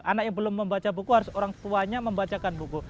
anak yang belum membaca buku harus orang tuanya membacakan buku